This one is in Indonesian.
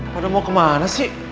pada mau kemana sih